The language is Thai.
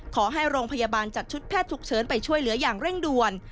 ขอให้โรงพยาบาลจัดชุดแพทย์ฉุกเฉินไปช่วยเหลืออย่างเร่งด่วน